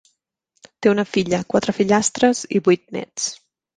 Té una filla, quatre fillastres i vuit néts.